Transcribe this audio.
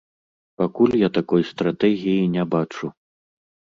Пакуль я такой стратэгіі не бачу.